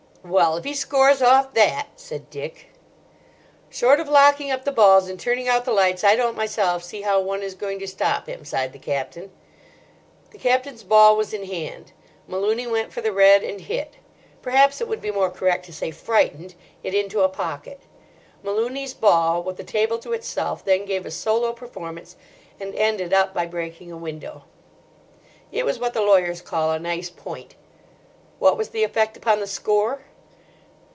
"Well, if he scores off that!" said Dick. "Short of locking up the balls and turning out the lights, I don't myself see how one is going to stop him," sighed the Captain. The Captain's ball was in hand. Malooney went for the red and hit—perhaps it would be more correct to say, frightened—it into a pocket. Malooney's ball, with the table to itself, then gave a solo performance, and ended up by breaking a window. It was what the lawyers call a nice point. What was the effect upon the score?